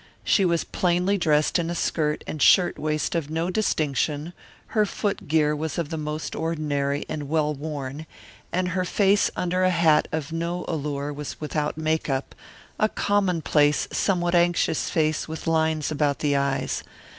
She was plainly dressed in skirt and shirtwaist of no distinction, her foot gear was of the most ordinary, and well worn, and her face under a hat of no allure was without make up, a commonplace, somewhat anxious face with lines about the eyes.